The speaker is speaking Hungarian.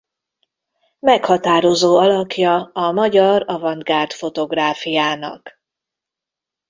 Meghatározó alakja a magyar avantgárd fotográfiának.